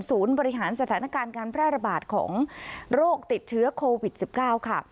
บริหารสถานการณ์การแพร่ระบาดของโรคติดเชื้อโควิด๑๙ค่ะ